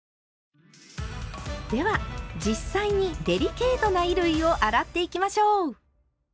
では実際にデリケートな衣類を洗っていきましょう。